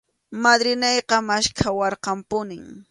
Madrinayqa maskhawarqanpunim.